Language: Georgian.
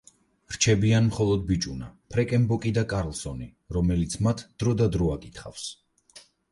რჩებიან მხოლოდ ბიჭუნა, ფრეკენ ბოკი და კარლსონი, რომელიც მათ დრო და დრო აკითხავს.